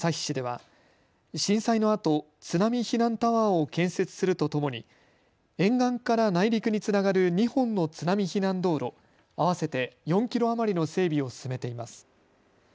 市では震災のあと津波避難タワーを建設するとともに沿岸から内陸につながる２本の津波避難道路合わせて４キロ余りの整備を進めています。